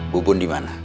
bubun di mana